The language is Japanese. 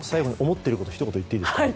思っていることひと言言っていいですか？